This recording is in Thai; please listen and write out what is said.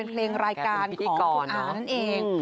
เป็นเพลงรายการของครูอ้านั่นเอง